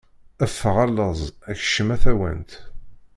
Ffeɣ a laẓ, kcem a tawant!